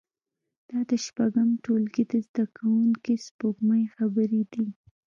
دا د شپږم ټولګي د زده کوونکې سپوږمۍ خبرې دي